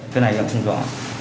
cái này em không rõ